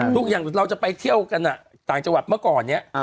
ทุกอย่างเราจะไปเที่ยวกันต่างจังหวัดเมื่อก่อนเนี่ย